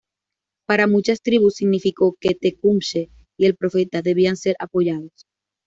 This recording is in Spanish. Para muchas tribus significó que Tecumseh y el Profeta debían ser apoyados.